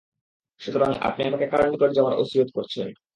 সুতরাং আপনি আমাকে কার নিকট যাওয়ার অসীয়ত করছেন?